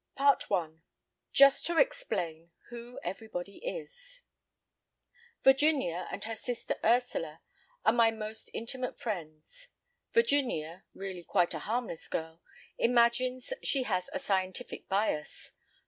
In Memoriam. I Just to Explain I. Who Everybody is Virginia and her sister Ursula are my most intimate friends. Virginia—really quite a harmless girl—imagines she has a scientific bias.